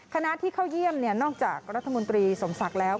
คณะที่เข้าเยี่ยมนอกจากรัฐมนตรีสมศักดิ์แล้ว